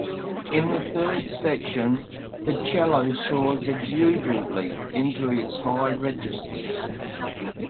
In the third section the cello soars exuberantly into its high registers.